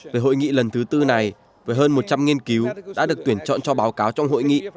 trong hội nghị lần thứ tư này với hơn một trăm linh nghiên cứu đã được tuyển chọn cho báo cáo trong hội nghị lần thứ tư này